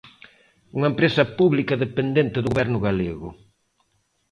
Unha empresa pública dependente do Goberno galego.